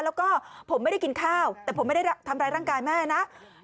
แล้วก็ผมไม่ได้กินข้าวแต่ผมไม่ได้ทำร้ายร่างกายแม่นะ